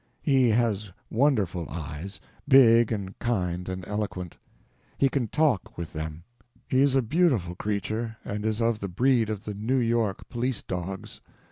He has wonderful eyes—big, and kind, and eloquent. He can talk with them. He is a beautiful creature, and is of the breed of the New York police dogs.